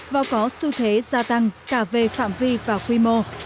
và có xu thế gia tăng cả về phạm vi và quy mô